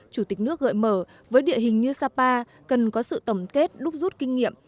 chủ tịch nước gợi mở với địa hình như sapa cần có sự tổng kết đúc rút kinh nghiệm